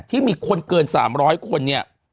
ที่มีคนเกิน๓๐๐คนเนี่ย